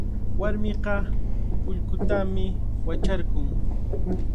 Warmiqa ullqutami wacharqun.